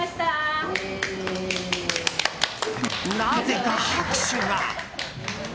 なぜか拍手が。